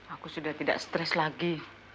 aku sudah tidak stres lagi